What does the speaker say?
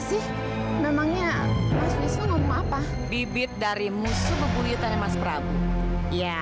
sampai jumpa di video selanjutnya